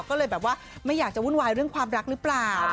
ก็เลยแบบว่าไม่อยากจะวุ่นวายเรื่องความรักหรือเปล่า